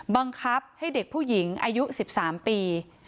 บังคับให้เด็กผู้หญิงอายุ๑๓ปี